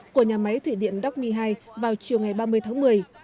của nhà máy thủy điện đắc mi hai vào chiều ngày ba mươi tháng một mươi